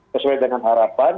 sesuai dengan harapan